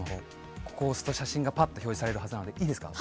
ここを押すと写真がぱっと表示されるはずなのでいいですか？